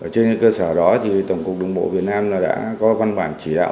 trên cơ sở đó tổng cục đường bộ việt nam đã có văn bản chỉ đạo